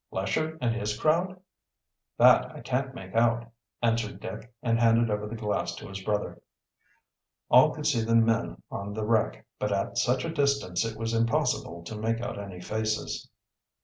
"Lesher and his crowd?" "That I can't make out," answered Dick, and handed over the glass to his brother. All could see the men on the wreck, but at such a distance it was impossible to make out any faces.